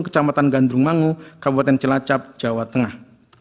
kecamatan gandrumangu kabupaten celacap jawa tengah